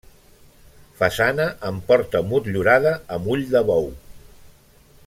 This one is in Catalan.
Façana amb porta motllurada amb ull de bou.